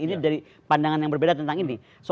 ini dari pandangan yang berbeda tentang ini